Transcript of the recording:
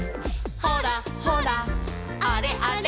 「ほらほらあれあれ」